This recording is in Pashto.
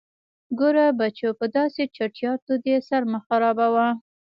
_ګوره بچو، په داسې چټياټو دې سر مه خرابوه.